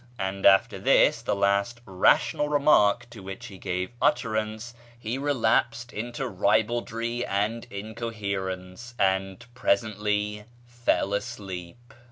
And after this, the last rational remark to which he gave utterance, he relapsed into ribaldry and incoherence, and presently fell asleep.